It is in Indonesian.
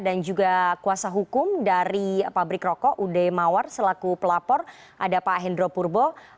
dan juga kuasa hukum dari pabrik rokok ude mawar selaku pelapor ada pak hendro purbo